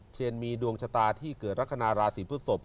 เชนมีดวงชะตาที่เกิดลักษณะราศีพฤศพ